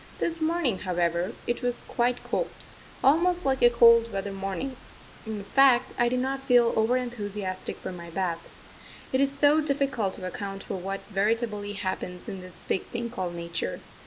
This morning, however, it was quite cold almost like a cold weather morning; in fact, I did not feel over enthusiastic for my bath. It is so difficult to account for what veritably happens in this big thing called Nature.